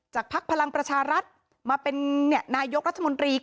จากภักดิ์พลังประชารัฐมาเป็นนายกรัฐมนธรรมดรี